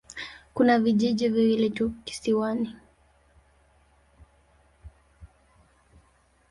Kuna vijiji viwili tu kisiwani.